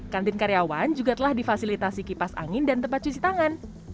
kantin karyawan juga telah difasilitasi kipas angin dan tempat cuci tangan